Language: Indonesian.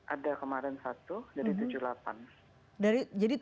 ada kemarin satu jadi tujuh puluh delapan